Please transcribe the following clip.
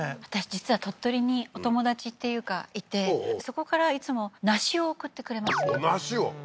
私実は鳥取にお友達っていうかいてそこからいつも梨を送ってくれますね梨を？